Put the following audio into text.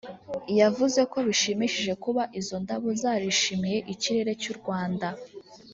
yavuze ko bishimishije kuba izo ndabo zarishimiye ikirere cy’u Rwanda